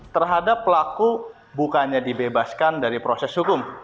terhadap pelaku bukannya dibebaskan dari proses hukum